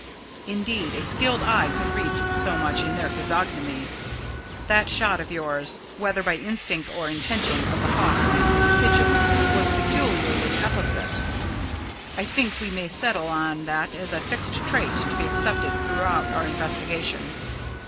Indeed, a skilled eye could read so much in their physiognomy. That shot of yours, whether by instinct or intention, of the hawk and the pigeon was peculiarly apposite. I think we may settle on that as a fixed trait to be accepted throughout our investigation."